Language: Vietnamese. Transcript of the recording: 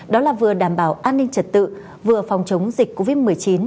đó là vừa đảm bảo an ninh trật tự vừa phòng chống dịch covid một mươi chín